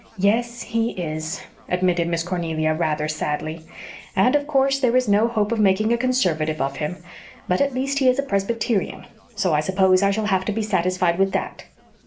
"Yes, he IS," admitted Miss Cornelia rather sadly. "And of course there is no hope of making a Conservative of him. But at least he is a Presbyterian. So I suppose I shall have to be satisfied with that."